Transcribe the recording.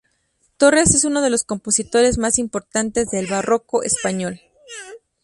Torres es uno de los compositores más importantes del barroco español.